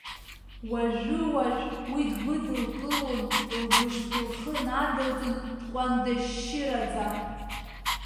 Уажәы-уажә уи дгәыдылкылон, лгәышԥ лхы надылҵон дҟәандашьшьыраӡа.